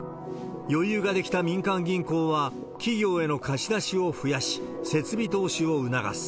余裕が出来た民間銀行は企業への貸し出しを増やし、設備投資を促す。